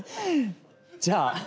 じゃあ。